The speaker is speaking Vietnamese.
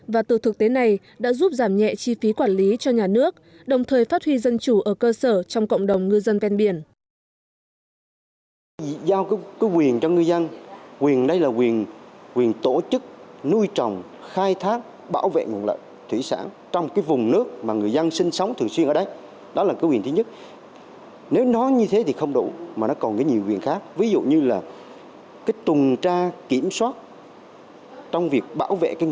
và từ thực tế này đã giúp giảm nhẹ chi phí quản lý cho nhà nước đồng thời phát huy dân chủ ở cơ sở trong cộng đồng ngư dân ven biển